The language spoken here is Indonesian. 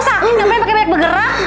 sakitnya apa yang pakai banyak bergerak